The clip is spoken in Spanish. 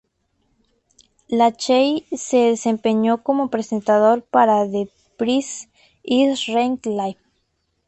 Lachey se desempeñó como presentador para "The Price Is Right Live!